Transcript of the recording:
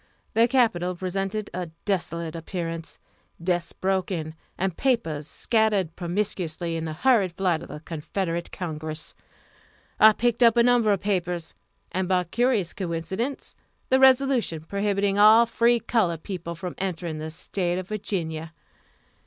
The Capitol presented a desolate appearance desks broken, and papers scattered promiscuously in the hurried flight of the Confederate Congress. I picked up a number of papers, and, by curious coincidence, the resolution prohibiting all free colored people from entering the State of Virginia.